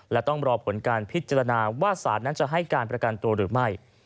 และต้องรอผลการพิจารณาว่าศาลนั้นจะให้การประกันตัวหรือไม่